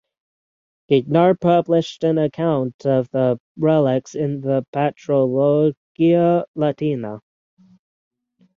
Guignard published an account of the relics in the Patrologia Latina.